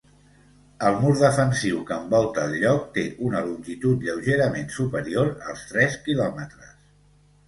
El mur defensiu que envolta el lloc té una longitud lleugerament superior als tres quilòmetres.